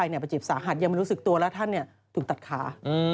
บาดเจ็บสาหัสยังไม่รู้สึกตัวแล้วท่านถูกตัดขา